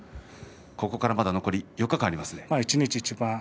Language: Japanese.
ここからまだ残り４日間あります。